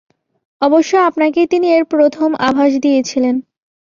অবশ্য আপনাকেই তিনি এর প্রথম আভাস দিয়েছিলেন।